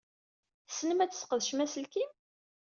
Tessnem ad tesqedcem aselkim?